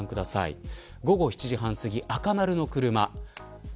午後７時半すぎ、赤丸の車です。